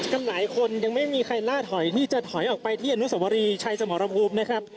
กันหลายคนยังไม่มีใครล่าถอยนี่จะถอยออกไปที่อนุสวรีชัยสมรภูมินะครับ